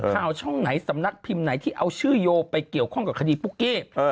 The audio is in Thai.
ช่องไหนสำนักพิมพ์ไหนที่เอาชื่อโยไปเกี่ยวข้องกับคดีปุ๊กกี้